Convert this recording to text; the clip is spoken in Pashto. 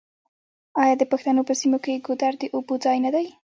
آیا د پښتنو په سیمو کې ګودر د اوبو ځای نه دی؟